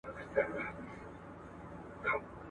پېژندنه د تعلیم د پراختیا لپاره اړینه ده.